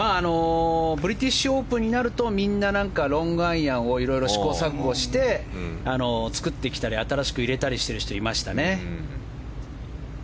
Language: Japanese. ブリティッシュオープンになるとみんなロングアイアンを色々試行錯誤して作ってきたリ新しく入れてきたりしてる選手もいましたね。